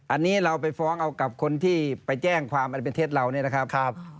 อันนี้เราไปฟ้องเอากับคนที่ไปแจ้งความอันเป็นเท็จเราเนี่ยนะครับ